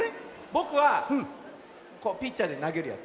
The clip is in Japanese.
ぼくはピッチャーでなげるやつ。